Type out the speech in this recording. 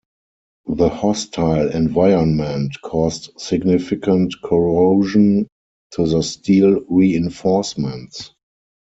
The hostile environment caused significant corrosion to the steel reinforcements.